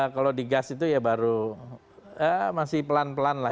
kalau di gas itu ya baru masih pelan pelan lah